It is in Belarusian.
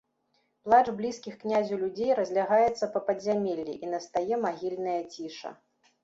Плач блізкіх князю людзей разлягаецца па падзямеллі, і настае магільная ціша.